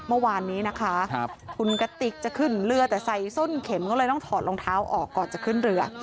เมื่อวานนี้นะคะคุณกติกจะขึ้นเรือแต่ใส่ส้นเข็มก็เลยต้องถอดรองเท้าออกก่อนจะขึ้นเรือ